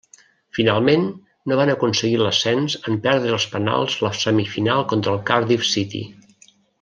Finalment no van aconseguir l'ascens en perdre als penals la semifinal contra el Cardiff City.